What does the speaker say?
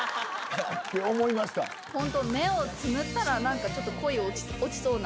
ホント目をつむったら何かちょっと恋に落ちそうな。